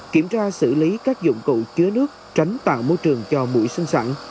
kiểm tra xử lý các dụng cụ chứa nước tránh tạo môi trường cho mũi sinh sẵn